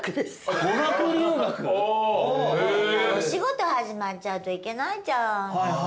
お仕事始まっちゃうと行けないじゃん。